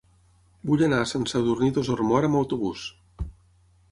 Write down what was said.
Vull anar a Sant Sadurní d'Osormort amb autobús.